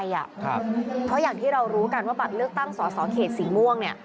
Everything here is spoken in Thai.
เพราะอย่างที่เรารู้กันว่าบัตรเลือกตั้งสอสอเขตสีม่วงเนี่ย